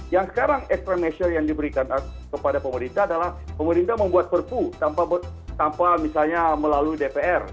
yang sekarang ekstremasure yang diberikan kepada pemerintah adalah pemerintah membuat perpu tanpa misalnya melalui dpr